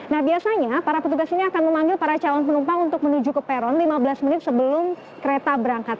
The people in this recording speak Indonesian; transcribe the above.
nah biasanya para petugas ini akan memanggil para calon penumpang untuk menuju ke peron lima belas menit sebelum kereta berangkat